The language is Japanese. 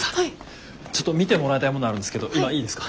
ちょっと見てもらいたいものあるんですけど今いいですか？